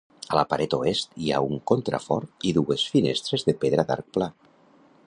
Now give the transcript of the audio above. A la paret oest hi ha un contrafort i dues finestres de pedra d'arc pla.